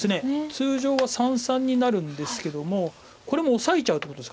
通常は三々になるんですけどもこれもオサえちゃうということですか。